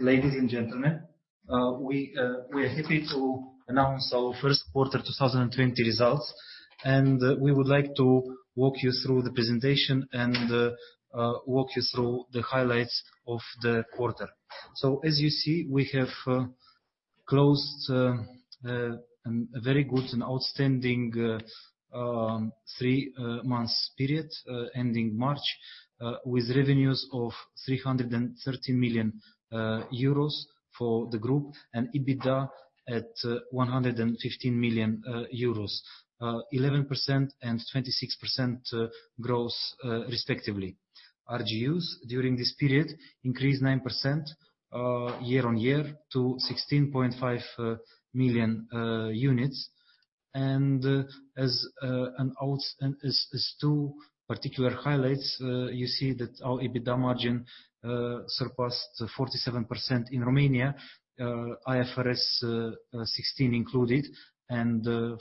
Ladies and gentlemen, we are happy to announce our first quarter 2020 results, and we would like to walk you through the presentation and walk you through the highlights of the quarter. As you see, we have closed a very good and outstanding three months period ending March, with revenues of 330 million euros for the group, and EBITDA at 115 million euros, 11% and 26% growth respectively. RGUs during this period increased 9% year-on-year to 16.5 million units. As two particular highlights, you see that our EBITDA margin surpassed 47% in Romania, IFRS 16 included, and 41%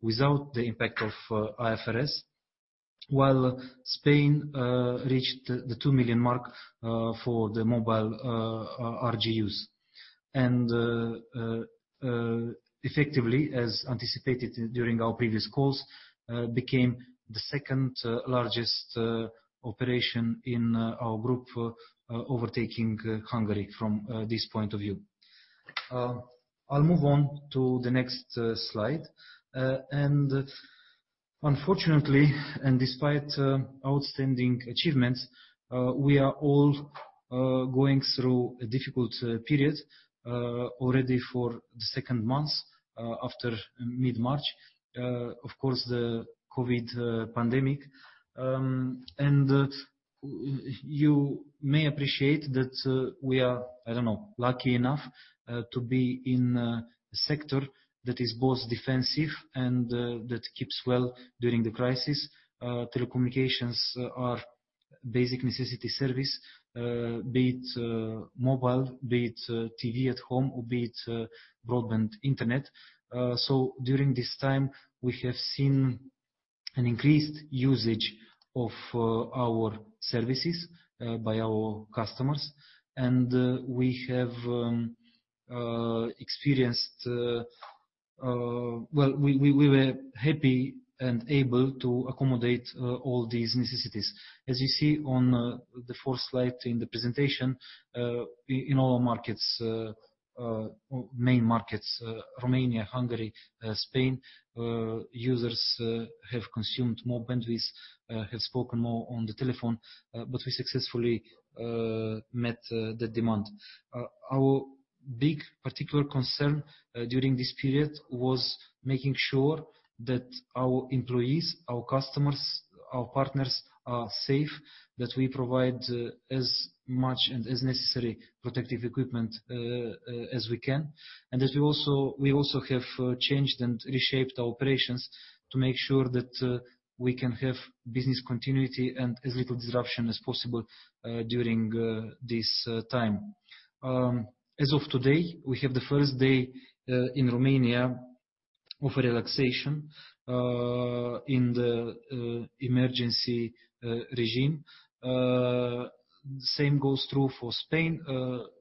without the impact of IFRS. While Spain reached the 2 million mark for the mobile RGUs and effectively, as anticipated during our previous calls, became the second-largest operation in our group, overtaking Hungary from this point of view. I'll move on to the next slide. Unfortunately, and despite outstanding achievements, we are all going through a difficult period already for the second month after mid-March, of course, the COVID pandemic. You may appreciate that we are, I don't know, lucky enough to be in a sector that is both defensive and that keeps well during the crisis. Telecommunications are basic necessity service, be it mobile, be it TV at home, or be it broadband internet. During this time, we have seen an increased usage of our services by our customers. We have experienced. Well, we were happy and able to accommodate all these necessities. As you see on the fourth slide in the presentation, in all our main markets, Romania, Hungary, Spain, users have consumed more bandwidth, have spoken more on the telephone, but we successfully met the demand. Our big particular concern during this period was making sure that our employees, our customers, our partners are safe, that we provide as much and as necessary protective equipment as we can. That we also have changed and reshaped our operations to make sure that we can have business continuity and as little disruption as possible during this time. As of today, we have the first day in Romania of a relaxation in the emergency regime. Same goes for Spain,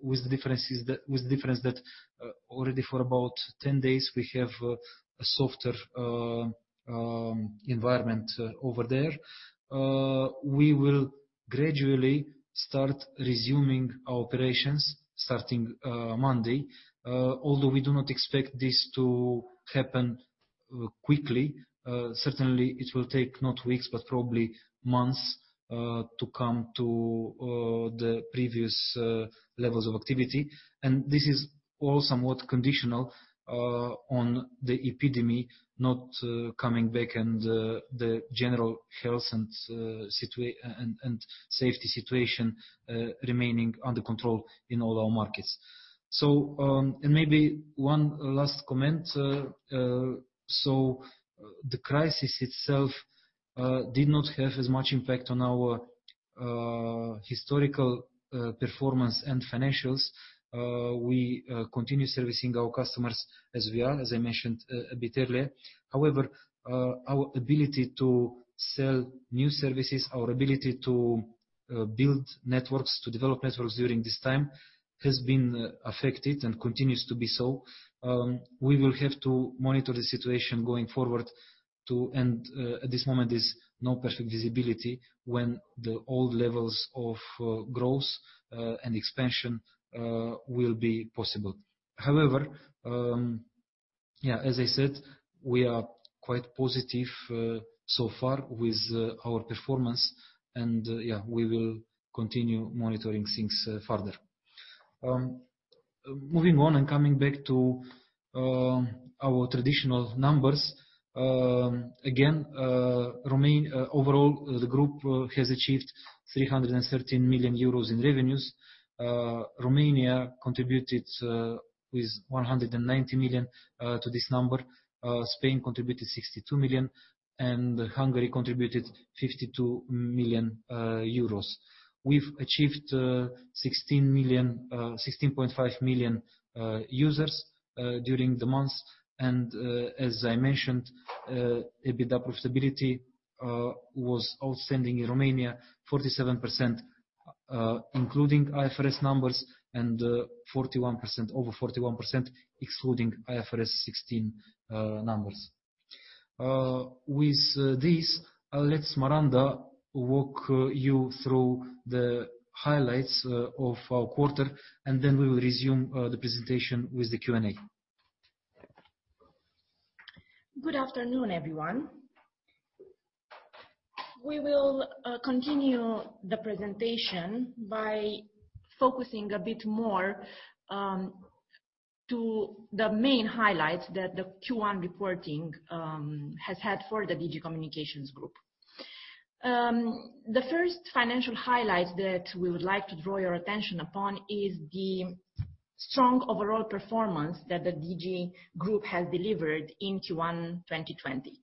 with the difference that already for about 10 days, we have a softer environment over there. We will gradually start resuming our operations starting Monday. Although we do not expect this to happen quickly. Certainly, it will take not weeks, but probably months, to come to the previous levels of activity. This is all somewhat conditional on the epidemic not coming back and the general health and safety situation remaining under control in all our markets. Maybe one last comment. The crisis itself did not have as much impact on our historical performance and financials. We continue servicing our customers as we are, as I mentioned a bit earlier. However, our ability to sell new services, our ability to build networks, to develop networks during this time has been affected and continues to be so. We will have to monitor the situation going forward, too, and at this moment there's no perfect visibility when the old levels of growth and expansion will be possible. However, yeah, as I said, we are quite positive so far with our performance. Yeah, we will continue monitoring things further. Moving on and coming back to our traditional numbers. Again, overall the group has achieved 313 million euros in revenues. Romania contributed with 190 million to this number. Spain contributed 62 million, and Hungary contributed 52 million euros. We've achieved 16.5 million users during the month. As I mentioned, EBITDA profitability was outstanding in Romania, 47% including IFRS numbers and over 41% excluding IFRS 16 numbers. With this, I'll let Smaranda walk you through the highlights of our quarter, and then we will resume the presentation with the Q&A. Good afternoon, everyone. We will continue the presentation by focusing a bit more to the main highlights that the Q1 reporting has had for the Digi Communications Group. The first financial highlight that we would like to draw your attention upon is the strong overall performance that the Digi Group has delivered in Q1 2020.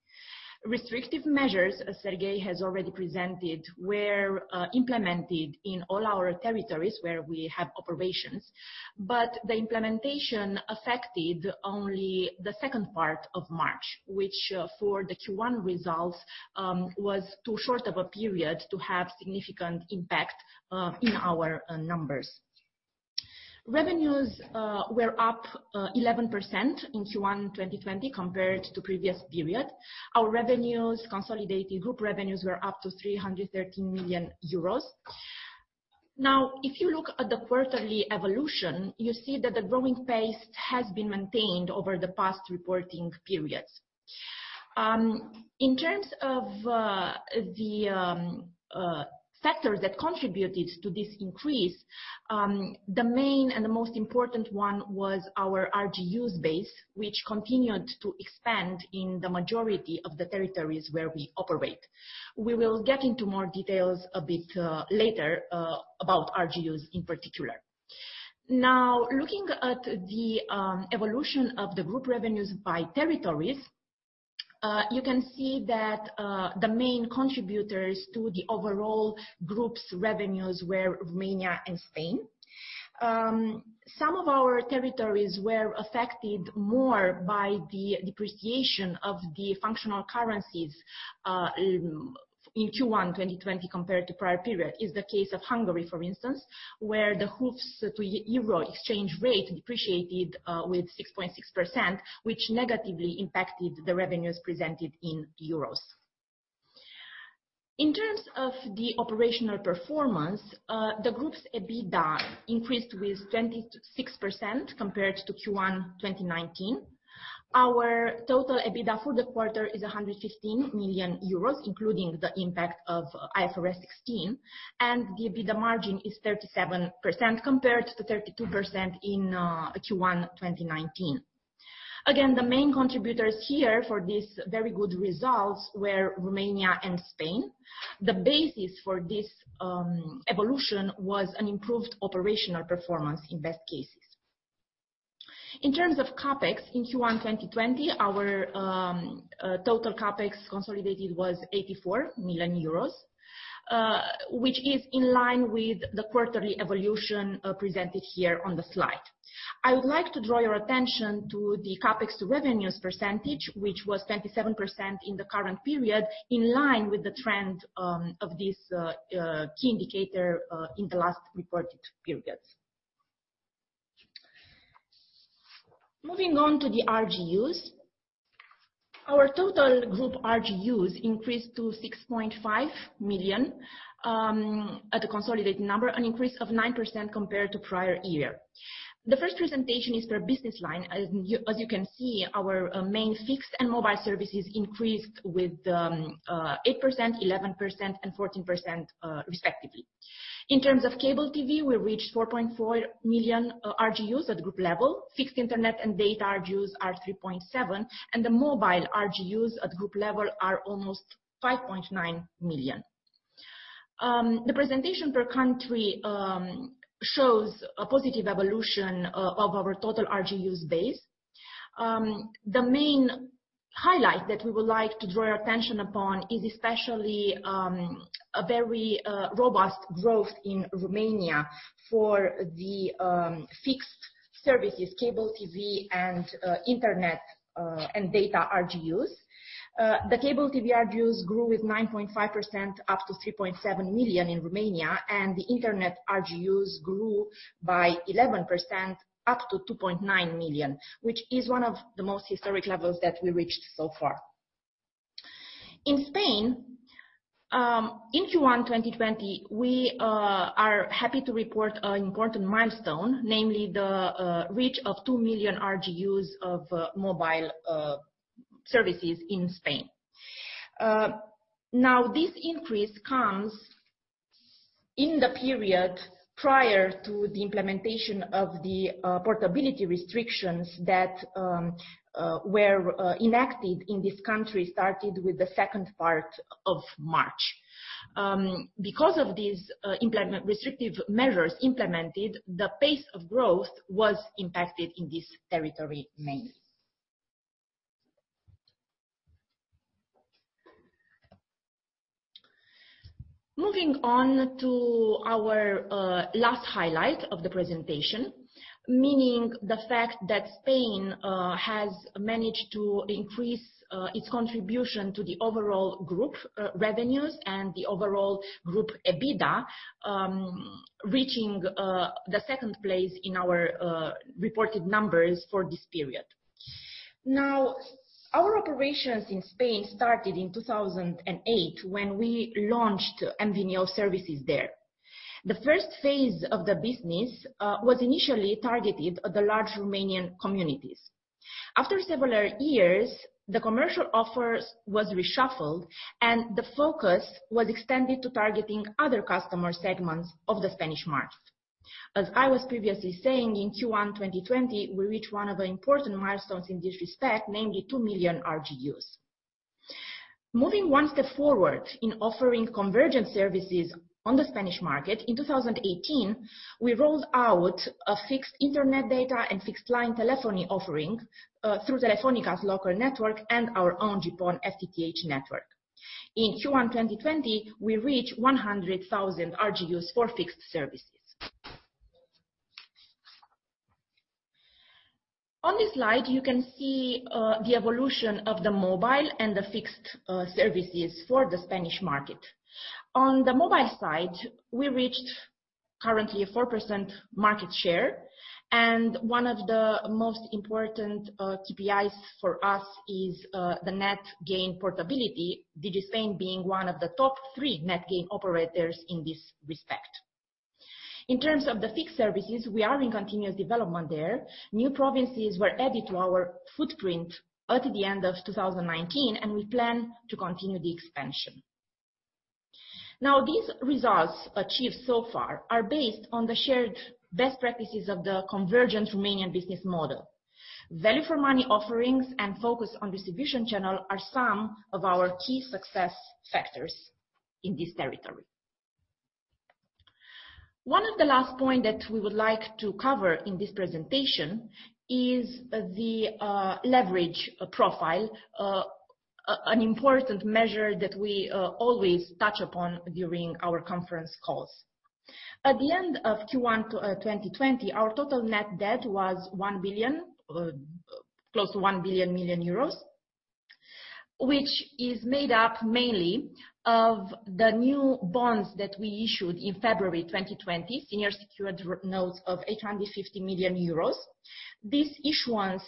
Restrictive measures, as Serghei has already presented, were implemented in all our territories where we have operations, but the implementation affected only the second part of March, which for the Q1 results, was too short of a period to have significant impact in our numbers. Revenues were up 11% in Q1 2020 compared to previous period. Our revenues, consolidated group revenues, were up to 313 million euros. Now, if you look at the quarterly evolution, you see that the growing pace has been maintained over the past reporting periods. In terms of the factors that contributed to this increase, the main and the most important one was our RGUs base, which continued to expand in the majority of the territories where we operate. We will get into more details a bit later about RGUs in particular. Now, looking at the evolution of the group revenues by territories, you can see that the main contributors to the overall group's revenues were Romania and Spain. Some of our territories were affected more by the depreciation of the functional currencies in Q1 2020 compared to prior period. It's the case of Hungary, for instance, where the HUF to euro exchange rate depreciated with 6.6%, which negatively impacted the revenues presented in euros. In terms of the operational performance, the group's EBITDA increased with 26% compared to Q1 2019. Our total EBITDA for the quarter is 115 million euros, including the impact of IFRS 16, and the EBITDA margin is 37% compared to 32% in Q1 2019. Again, the main contributors here for these very good results were Romania and Spain. The basis for this evolution was an improved operational performance in best cases. In terms of CapEx in Q1 2020, our total CapEx consolidated was 84 million euros, which is in line with the quarterly evolution presented here on the slide. I would like to draw your attention to the CapEx to revenues percentage, which was 27% in the current period, in line with the trend of this key indicator in the last reported periods. Moving on to the RGUs. Our total group RGUs increased to 6.5 million at the consolidated number, an increase of 9% compared to prior year. The first presentation is for business line. As you can see, our main fixed and mobile services increased by 8%, 11% and 14% respectively. In terms of cable TV, we reached 4.4 million RGUs at group level. Fixed internet and data RGUs are 3.7 million, and the mobile RGUs at group level are almost 5.9 million. The presentation per country shows a positive evolution of our total RGUs base. The main highlight that we would like to draw your attention upon is especially a very robust growth in Romania for the fixed services, cable TV and internet, and data RGUs. The cable TV RGUs grew by 9.5%, up to 3.7 million in Romania, and the internet RGUs grew by 11%, up to 2.9 million, which is one of the most historic levels that we reached so far. In Spain, in Q1 2020, we are happy to report an important milestone, namely the reach of 2 million RGUs of mobile services in Spain. Now, this increase comes in the period prior to the implementation of the portability restrictions that were enacted in this country, started with the second part of March. Because of these restrictive measures implemented, the pace of growth was impacted in this territory mainly. Moving on to our last highlight of the presentation, meaning the fact that Spain has managed to increase its contribution to the overall group revenues and the overall group EBITDA, reaching the second place in our reported numbers for this period. Now, our operations in Spain started in 2008 when we launched MVNO services there. The first phase of the business was initially targeted at the large Romanian communities. After several years, the commercial offer was reshuffled and the focus was extended to targeting other customer segments of the Spanish market. As I was previously saying, in Q1 2020, we reached one of the important milestones in this respect, namely 2 million RGUs. Moving one step forward in offering convergence services on the Spanish market, in 2018, we rolled out a fixed internet data and fixed line telephony offering through Telefónica's local network and our own GPON FTTH network. In Q1 2020, we reached 100,000 RGUs for fixed services. On this slide, you can see the evolution of the mobile and the fixed services for the Spanish market. On the mobile side, we reached currently 4% market share, and one of the most important KPIs for us is the net gain portability, Digi Spain being one of the top three net gain operators in this respect. In terms of the fixed services, we are in continuous development there. New provinces were added to our footprint at the end of 2019, and we plan to continue the expansion. Now, these results achieved so far are based on the shared best practices of the convergent Romanian business model. Value for money offerings and focus on distribution channel are some of our key success factors in this territory. One of the last point that we would like to cover in this presentation is the leverage profile, an important measure that we always touch upon during our conference calls. At the end of Q1 2020, our total net debt was close to 1 billion, which is made up mainly of the new bonds that we issued in February 2020, senior secured notes of 850 million euros. This issuance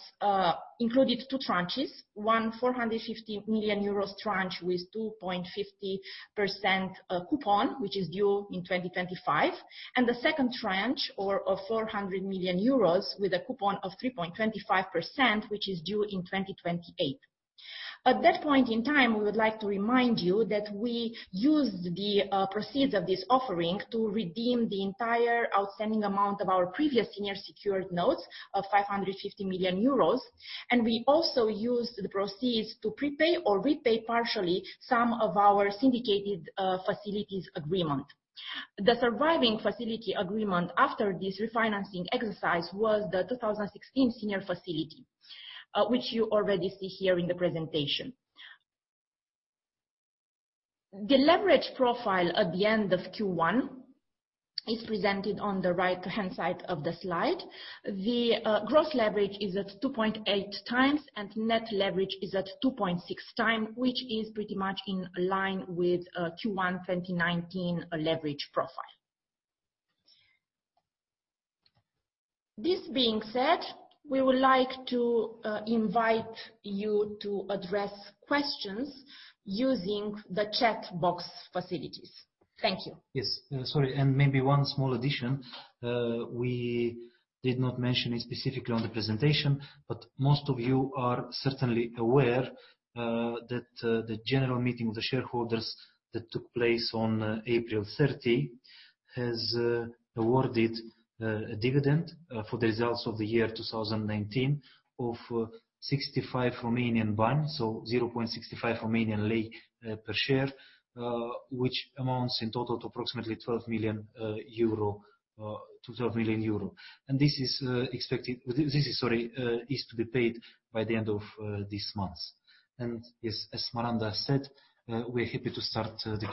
included two tranches, one 450 million euros tranche with 2.50% coupon, which is due in 2025, and the second tranche of 400 million euros with a coupon of 3.25%, which is due in 2028. At that point in time, we would like to remind you that we used the proceeds of this offering to redeem the entire outstanding amount of our previous senior secured notes of 550 million euros, and we also used the proceeds to prepay or repay partially some of our syndicated facilities agreement. The surviving facility agreement after this refinancing exercise was the 2016 Senior Facility, which you already see here in the presentation. The leverage profile at the end of Q1 is presented on the right-hand side of the slide. The gross leverage is at 2.8x and net leverage is at 2.6x, which is pretty much in line with Q1 2019 leverage profile. This being said, we would like to invite you to address questions using the chat box facilities. Thank you. Yes. Sorry, and maybe one small addition. We did not mention it specifically on the presentation, but most of you are certainly aware that the general meeting of the shareholders that took place on April 30 has awarded a dividend for the results of the year 2019 of RON 65, so RON 0.65 per share, which amounts in total to approximately 12 million euro. This is expected to be paid by the end of this month. Yes, as Smaranda said, we're happy to start the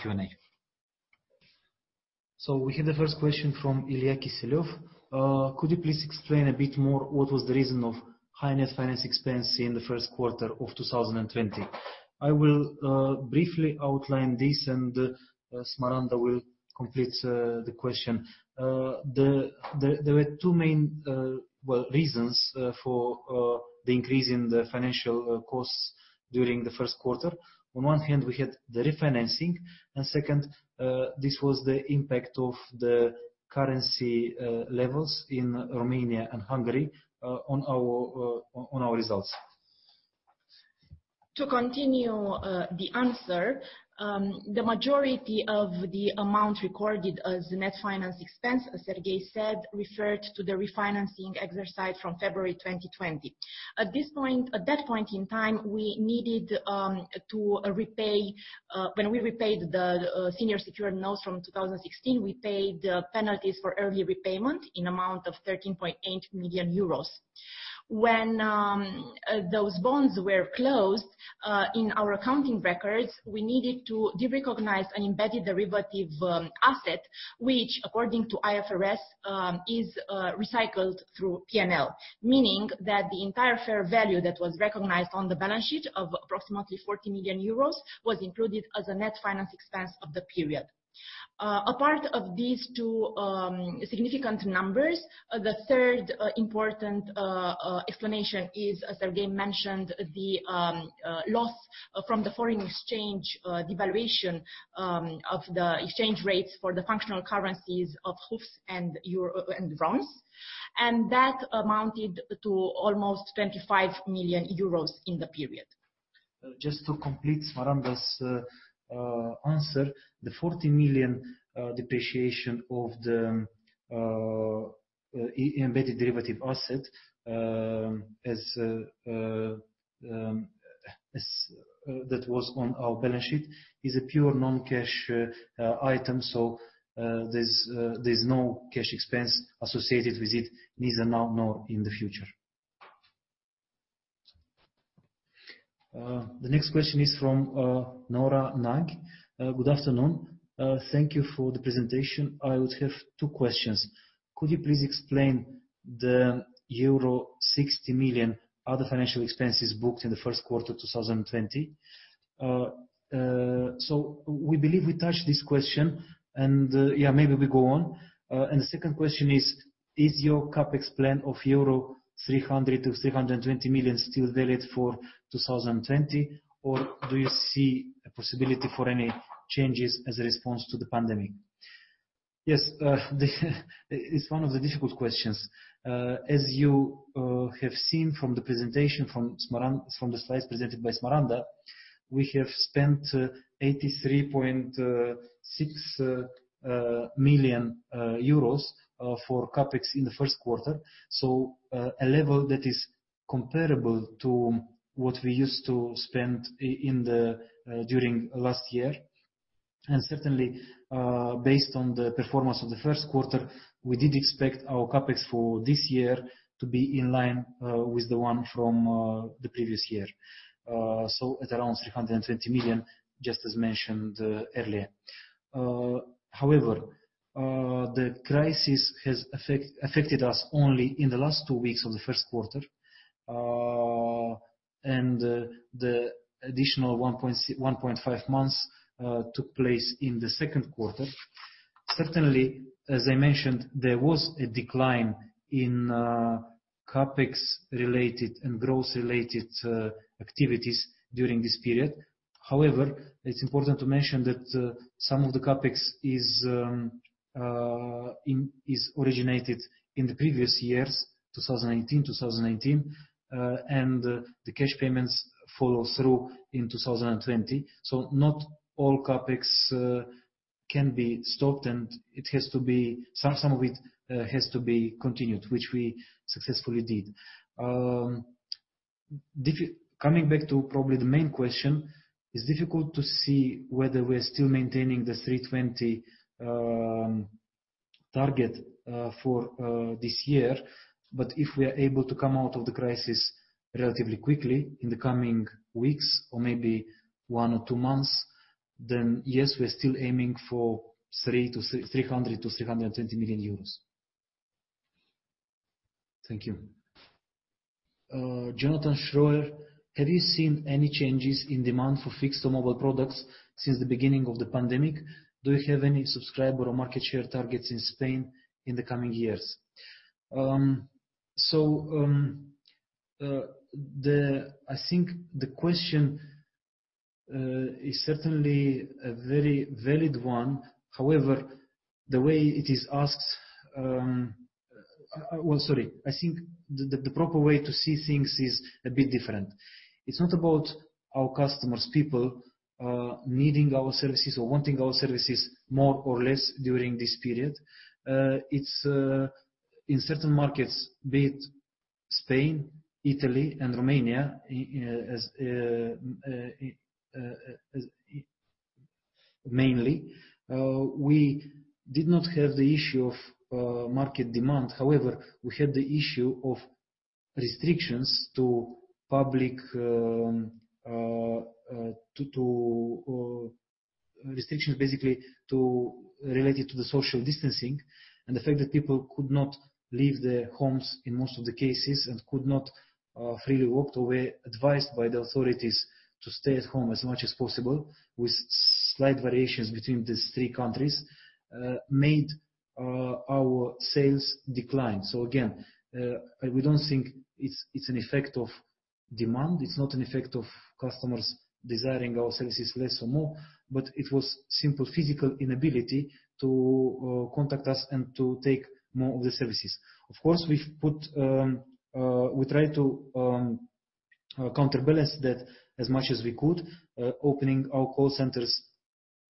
Q&A. We have the first question from Ilya Kiselev. Could you please explain a bit more what was the reason of high net finance expense in the first quarter of 2020? I will briefly outline this and Smaranda will complete the question. There were two main reasons for the increase in the financial costs during the first quarter. On one hand, we had the refinancing, and second, this was the impact of the currency levels in Romania and Hungary on our results. To continue the answer. The majority of the amount recorded as net finance expense, as Serghei said, referred to the refinancing exercise from February 2020. At that point in time, when we repaid the senior secured notes from 2016, we paid penalties for early repayment in amount of 13.8 million euros. When those bonds were closed, in our accounting records, we needed to derecognize an embedded derivative asset, which according to IFRS, is recycled through P&L. Meaning that the entire fair value that was recognized on the balance sheet of approximately 40 million euros was included as a net finance expense of the period. Apart from these two significant numbers, the third important explanation is, as Serghei mentioned, the loss from the foreign exchange devaluation of the exchange rates for the functional currencies of HUF and zlotys. That amounted to almost 25 million euros in the period. Just to complete Smaranda's answer, the 40 million depreciation of the embedded derivative asset that was on our balance sheet is a pure non-cash item, so there's no cash expense associated with it, neither now nor in the future. The next question is from Nora Nagy. "Good afternoon. Thank you for the presentation. I would have two questions. Could you please explain the euro 60 million other financial expenses booked in the first quarter 2020?" We believe we touched this question and, yeah, maybe we go on. "And the second question is your CapEx plan of 300 million-320 million euro still valid for 2020? Or do you see a possibility for any changes as a response to the pandemic?" Yes. It's one of the difficult questions. As you have seen from the presentation, from the slides presented by Smaranda, we have spent EUR 83.6 million for CapEx in the first quarter. A level that is comparable to what we used to spend during last year. Certainly, based on the performance of the first quarter, we did expect our CapEx for this year to be in line with the one from the previous year. At around 320 million, just as mentioned earlier. However, the crisis has affected us only in the last two weeks of the first quarter. The additional 1.5 months took place in the second quarter. Certainly, as I mentioned, there was a decline in CapEx related and growth related activities during this period. However, it's important to mention that some of the CapEx is originated in the previous years, 2018, 2019, and the cash payments follow through in 2020. Not all CapEx can be stopped, and some of it has to be continued, which we successfully did. Coming back to probably the main question, it's difficult to see whether we're still maintaining the 320 target for this year. If we are able to come out of the crisis relatively quickly in the coming weeks or maybe one or two months, then yes, we're still aiming for 300 million-320 million euros. Thank you. Jonathan Schroeder, "Have you seen any changes in demand for fixed to mobile products since the beginning of the pandemic? Do you have any subscriber or market share targets in Spain in the coming years?" I think the question is certainly a very valid one. However, the way it is asked. Well, sorry. I think the proper way to see things is a bit different. It's not about our customers, people, needing our services or wanting our services more or less during this period. It's in certain markets, be it Spain, Italy, and Romania, mainly. We did not have the issue of market demand. However, we had the issue of restrictions basically related to the social distancing and the fact that people could not leave their homes in most of the cases and could not freely walk away, advised by the authorities to stay at home as much as possible, with slight variations between these three countries, made our sales decline. Again, we don't think it's an effect of demand. It's not an effect of customers desiring our services less or more, but it was simple physical inability to contact us and to take more of the services. Of course, we tried to counterbalance that as much as we could, opening our call centers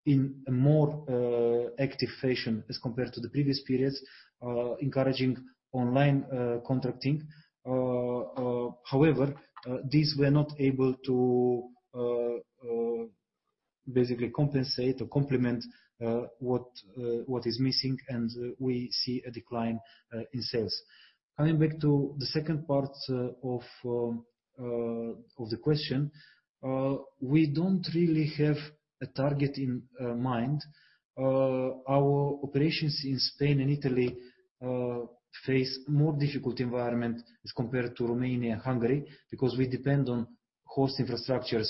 in a more active fashion as compared to the previous periods, encouraging online contracting. However, these were not able to basically compensate or complement what is missing, and we see a decline in sales. Coming back to the second part of the question, we don't really have a target in mind. Our operations in Spain and Italy face more difficult environment as compared to Romania and Hungary because we depend on host infrastructures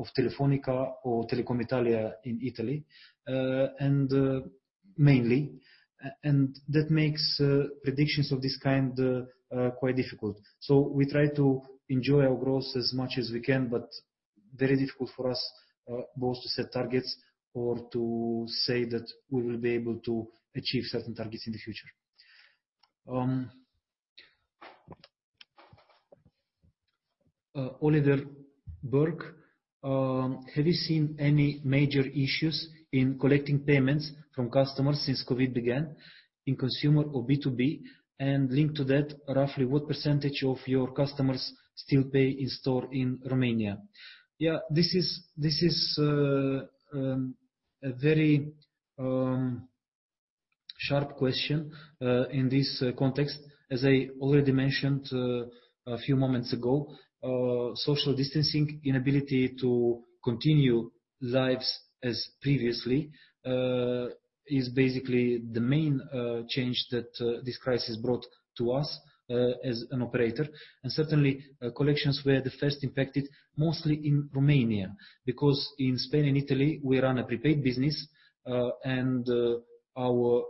of Telefónica or Telecom Italia in Italy mainly, and that makes predictions of this kind quite difficult. We try to enjoy our growth as much as we could, but very difficult for us both to set targets or to say that we will be able to achieve certain targets in the future. Oliver Burke, have you seen any major issues in collecting payments from customers since COVID began in consumer or B2B? And linked to that, roughly what percentage of your customers still pay in-store in Romania? Yeah, this is a very sharp question in this context. As I already mentioned a few moments ago, social distancing, inability to continue lives as previously is basically the main change that this crisis brought to us as an operator. Certainly, collections were the first impacted mostly in Romania because in Spain and Italy, we run a prepaid business and our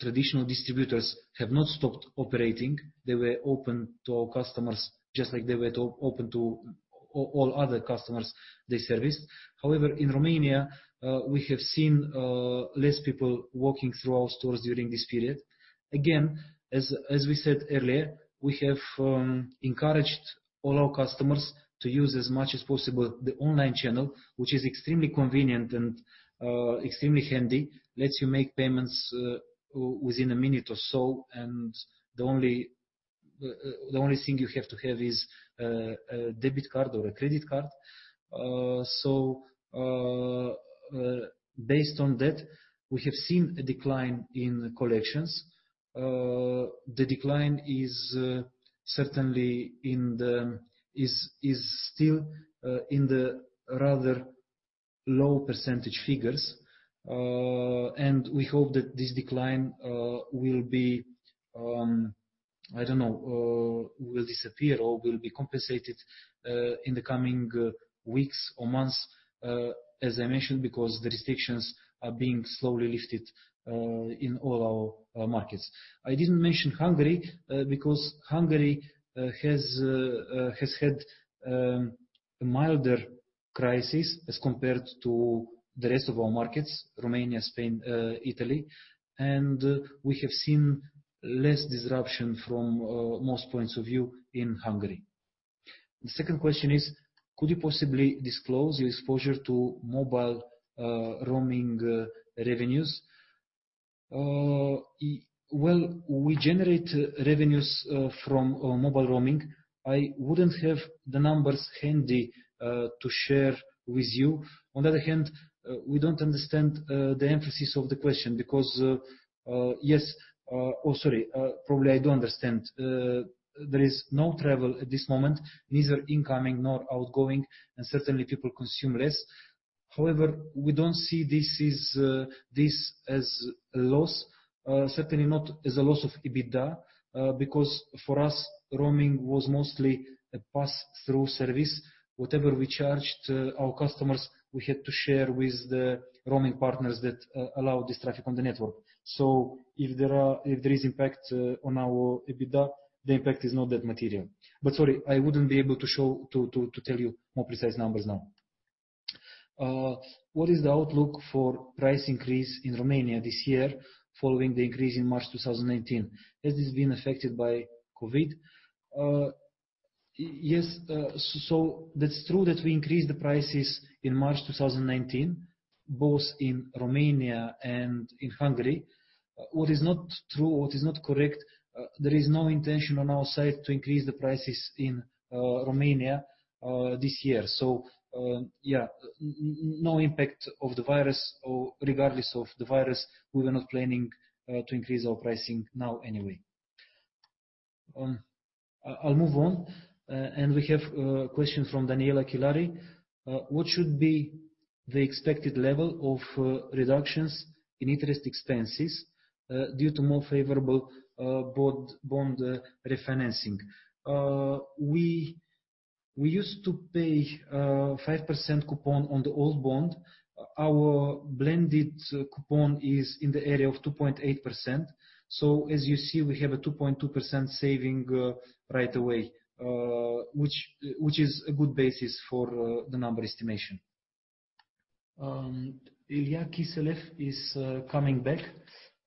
traditional distributors have not stopped operating. They were open to our customers just like they were open to all other customers they service. However, in Romania, we have seen less people walking through our stores during this period. Again, as we said earlier, we have encouraged all our customers to use as much as possible the online channel, which is extremely convenient and extremely handy, lets you make payments within a minute or so, and the only thing you have to have is a debit card or a credit card. Based on that, we have seen a decline in collections. The decline is still in the rather low percentage figures. We hope that this decline will disappear or will be compensated in the coming weeks or months, as I mentioned, because the restrictions are being slowly lifted in all our markets. I didn't mention Hungary because Hungary has had a milder crisis as compared to the rest of our markets, Romania, Spain, Italy, and we have seen less disruption from most points of view in Hungary. The second question is, could you possibly disclose your exposure to Mobile Roaming revenues? Well, we generate revenues from Mobile Roaming. I wouldn't have the numbers handy to share with you. On the other hand, we don't understand the emphasis of the question because, oh, sorry, probably I do understand. There is no travel at this moment, neither incoming nor outgoing, and certainly people consume less. However, we don't see this as a loss. Certainly not as a loss of EBITDA because for us roaming was mostly a pass-through service. Whatever we charged our customers, we had to share with the roaming partners that allow this traffic on the network. If there is impact on our EBITDA, the impact is not that material. Sorry, I wouldn't be able to tell you more precise numbers now. What is the outlook for price increase in Romania this year following the increase in March 2019? Has this been affected by COVID? Yes. That's true that we increased the prices in March 2019, both in Romania and in Hungary. What is not true, what is not correct, there is no intention on our side to increase the prices in Romania this year. Yeah, no impact of the virus or regardless of the virus, we were not planning to increase our pricing now anyway. I'll move on. We have a question from Daniela Kilari. What should be the expected level of reductions in interest expenses due to more favorable bond refinancing? We used to pay 5% coupon on the old bond. Our blended coupon is in the area of 2.8%. As you see, we have a 2.2% saving right away which is a good basis for the number estimation. Ilya Kiselev is coming back.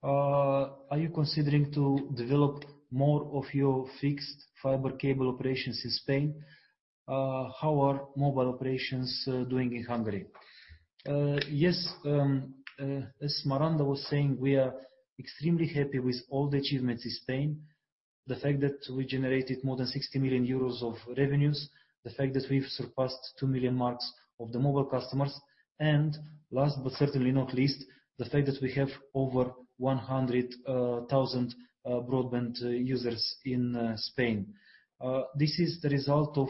Are you considering to develop more of your fixed fiber cable operations in Spain? How are mobile operations doing in Hungary? Yes, as Smaranda was saying, we are extremely happy with all the achievements in Spain. The fact that we generated more than 60 million euros of revenues, the fact that we've surpassed 2 million marks of the mobile customers, and last but certainly not least, the fact that we have over 100,000 broadband users in Spain. This is the result of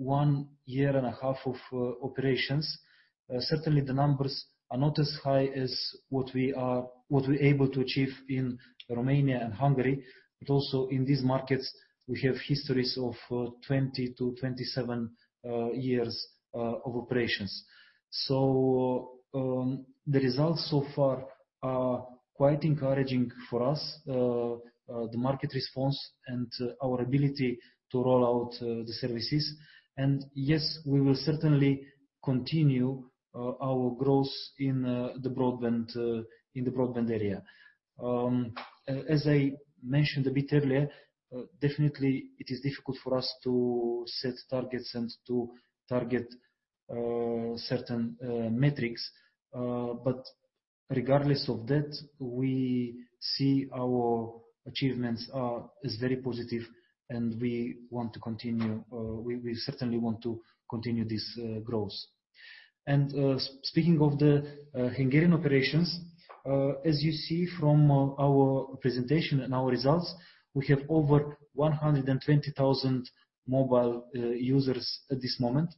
1.5 years of operations. Certainly, the numbers are not as high as what we're able to achieve in Romania and Hungary, but also in these markets, we have histories of 20-27 years of operations. The results so far are quite encouraging for us, the market response, and our ability to roll out the services. Yes, we will certainly continue our growth in the broadband area. As I mentioned a bit earlier, definitely it is difficult for us to set targets and to target certain metrics. Regardless of that, we see our achievements as very positive, and we certainly want to continue this growth. Speaking of the Hungarian operations, as you see from our presentation and our results, we have over 120,000 mobile users at this moment.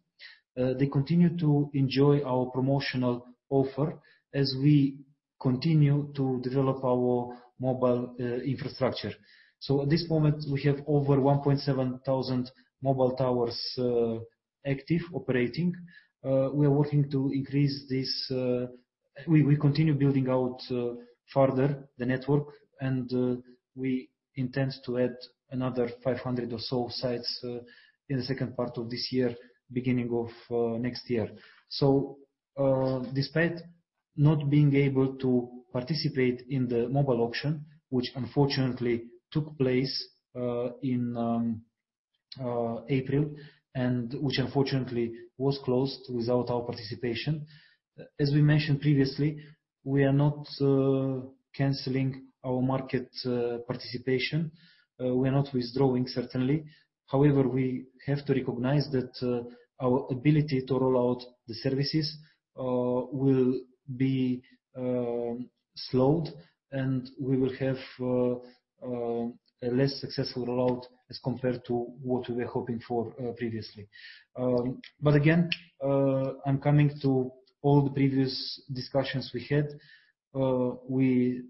They continue to enjoy our promotional offer as we continue to develop our mobile infrastructure. At this moment, we have over 1,700 mobile towers active, operating. We continue building out further the network, and we intend to add another 500 or so sites in the second part of this year, beginning of next year. Despite not being able to participate in the mobile auction, which unfortunately took place in April, and which unfortunately was closed without our participation. As we mentioned previously, we are not canceling our market participation. We're not withdrawing, certainly. However, we have to recognize that our ability to roll out the services will be slowed, and we will have a less successful rollout as compared to what we were hoping for previously. Again, I'm coming to all the previous discussions we had. We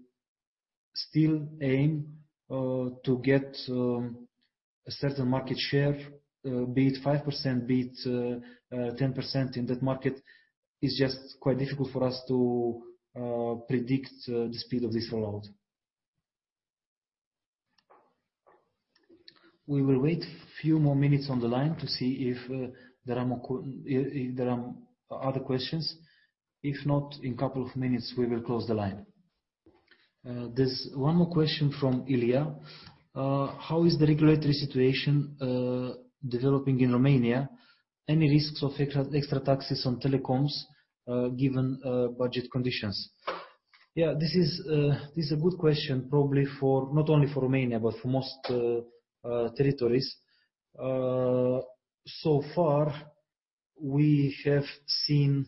still aim to get a certain market share, be it 5%, be it 10%, in that market. It's just quite difficult for us to predict the speed of this rollout. We will wait a few more minutes on the line to see if there are other questions. If not, in a couple of minutes, we will close the line. There's one more question from Ilya. "How is the regulatory situation developing in Romania? Any risks of extra taxes on telecoms given budget conditions?" Yeah, this is a good question, probably not only for Romania, but for most territories. So far, we have seen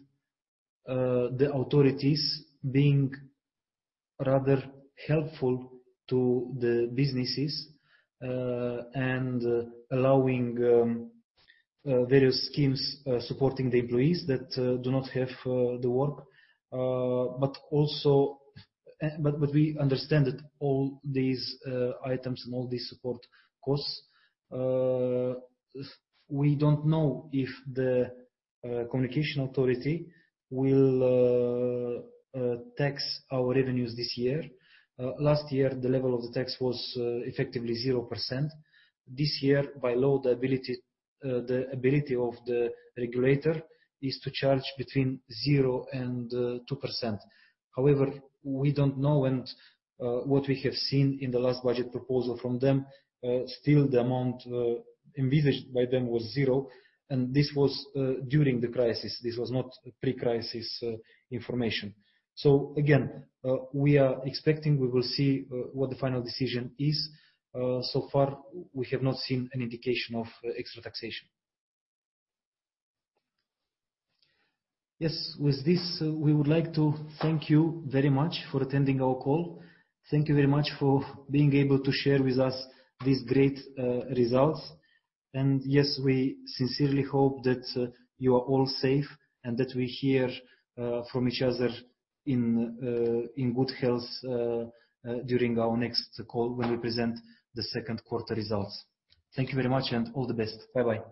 the authorities being rather helpful to the businesses, and allowing various schemes supporting the employees that do not have the work. We understand that all these items and all these support costs, we don't know if the communication authority will tax our revenues this year. Last year, the level of the tax was effectively 0%. This year, by law, the ability of the regulator is to charge between 0% and 2%. However, we don't know, and what we have seen in the last budget proposal from them, still the amount envisaged by them was zero. This was during the crisis. This was not pre-crisis information. Again, we are expecting, we will see what the final decision is. So far we have not seen any indication of extra taxation. Yes, with this, we would like to thank you very much for attending our call. Thank you very much for being able to share with us these great results. Yes, we sincerely hope that you are all safe and that we hear from each other in good health during our next call when we present the second quarter results. Thank you very much and all the best. Bye-bye.